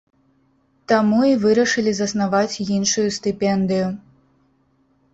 Таму і вырашылі заснаваць іншую стыпендыю.